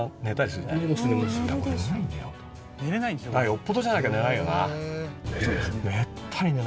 よっぽどじゃなきゃ寝ないよな？